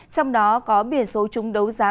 trong đó có biển số chúng đấu giá